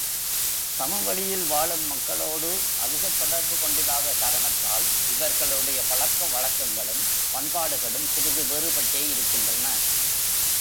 சமவெளியில் வாழும் மக்களோடு அதிகத் தொடர்பு கொண்டிராத காரணத்தால் இவர்களுடைய பழக்கவழக்கங்களும் பண்பாடுகளும் சிறிது வேறுபட்டே இருக்கின்றன.